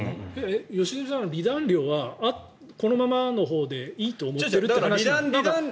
良純さん、離檀料はこのままのほうでいいと思ってるという話？